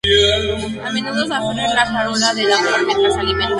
A menudo se aferra a la corola de la flor mientras se alimenta.